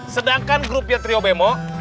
sedangkan grupnya trio bemo